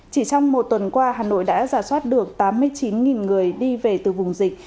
chỉ trong một tuần qua hà nội đã giả soát được tám mươi chín người đi về từ vùng dịch